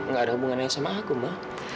gak ada hubungannya sama aku ma